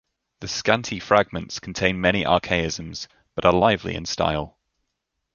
The scanty fragments contain many archaisms, but are lively in style.